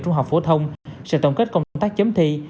trung học phổ thông sự tổng kết công tác chấm thi